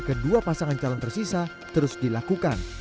kedua pasangan calon tersisa terus dilakukan